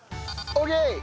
オーケー！